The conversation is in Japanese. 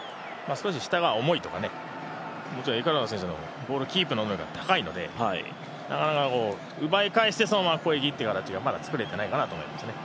少し下が重いとか、エクアドル選手のボールキープ能力が高いのでなかなか奪い返してそのまま攻撃という形がまだ作れてないかなと思いますね。